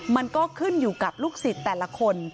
มันก็ขึ้นอยู่กับลูกศิษย์แต่ละคน